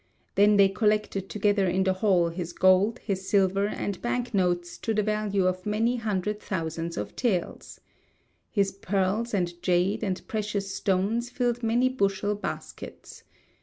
Then they collected together in the hall his gold, his silver, and bank notes, to the value of many hundred thousands of taels. His pearls, and jade, and precious stones filled many bushel baskets.